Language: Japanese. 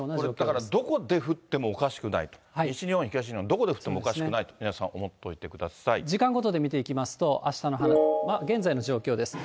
これ、だからどこで降ってもおかしくない、西日本、東日本、どこで降ってもおかしくないと皆さん、時間ごとで見ていきますと、現在の状況です。